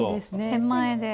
手前で。